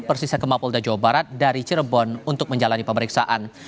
persisnya ke mapolda jawa barat dari cirebon untuk menjalani pemeriksaan